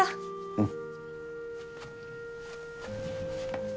うん。